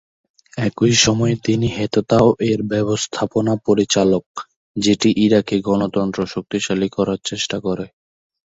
একই সময়ে তিনি "হেততাও"-এর ব্যবস্থাপনা পরিচালক, যেটি ইরাকে গণতন্ত্র শক্তিশালী করার চেষ্টা করে।